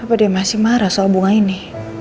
apa dia masih marah soal bunga ini